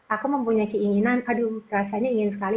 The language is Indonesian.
aku mempunyai keinginan aduh rasanya ingin sekali